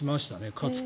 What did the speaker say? かつて。